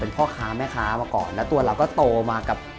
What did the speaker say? พ่อค้าแม่ค้ามาก่อนแล้วตัวเราก็โตมากับ